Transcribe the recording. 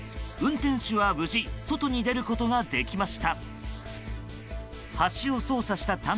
運転手は無事外に出ることができました。